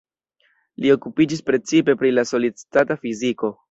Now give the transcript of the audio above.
Li okupiĝis precipe pri la solid-stata fiziko.